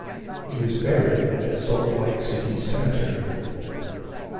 He was buried at Salt Lake City Cemetery.